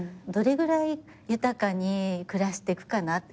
どれぐらい豊かに暮らしてくかな。